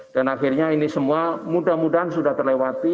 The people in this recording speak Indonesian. dan akhirnya ini semua mudah mudahan sudah terlewati